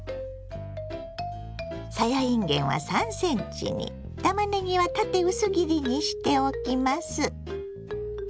さやいんげんは３ｃｍにたまねぎは縦薄切りにしておきます。